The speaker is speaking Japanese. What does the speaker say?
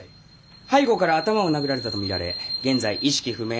背後から頭を殴られたと見られ現在意識不明の重体。